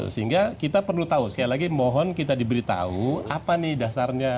sehingga kita perlu tahu sekali lagi mohon kita diberitahu apa nih dasarnya